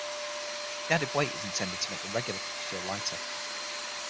The added weight is intended to make the regular cups feel lighter.